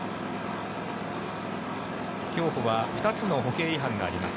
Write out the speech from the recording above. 競歩は２つの歩型違反があります。